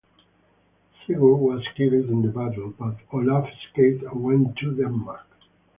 Sigurd was killed in the battle, but Olav escaped and went to Denmark.